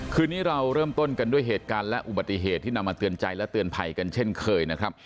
คืนนี้เราเริ่มต้นกันด้วยเหตุการณ์และอุบัติเหตุที่นำมาเตือนใจและเตือนภัยกันเช่นเคยนะครับ